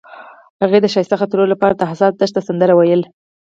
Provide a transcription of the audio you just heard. هغې د ښایسته خاطرو لپاره د حساس دښته سندره ویله.